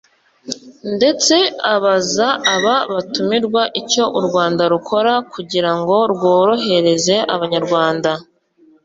ndetse abaza aba batumirwa icyo u Rwanda rukora kugira ngo rworohereze Abanyarwanda